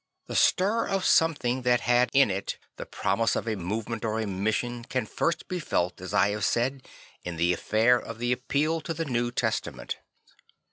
The stir of something that had in it the promise of a movement or a mission can first be felt as I have said in the affair of the appeal to the New Testament.